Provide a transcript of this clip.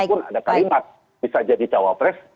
walaupun ada kalimat bisa jadi cawapres